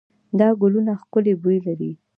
دا ګلونه ښکلې بوی لري.